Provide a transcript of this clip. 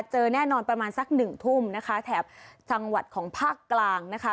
เจอแน่นอนประมาณสักหนึ่งทุ่มนะคะแถบจังหวัดของภาคกลางนะคะ